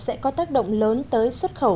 sang hoa kỳ